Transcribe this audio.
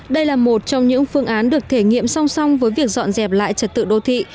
đây là một trong những phương án được thể nghiệm song song với việc dọn dẹp lại trật tự đô thị